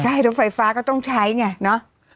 ใช่รถไฟฟ้าก็ต้องใช้ไงเนาะ